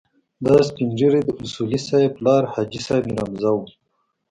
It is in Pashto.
دا سپين ږيری د اصولي صیب پلار حاجي صیب میرحمزه و.